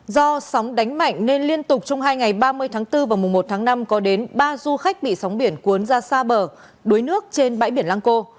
do sóng đánh mạnh nên liên tục trong hai ngày ba mươi tháng bốn và mùa một tháng năm có đến ba du khách bị sóng biển cuốn ra xa bờ đuối nước trên bãi biển lăng cô